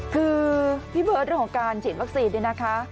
คือพี่เบิร์ตเรื่องของการฉีดวัคซีนเนี่ยนะคะ